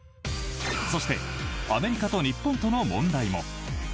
そしてアメリカと日本との問題も。